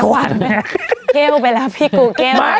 ว่าใครคะ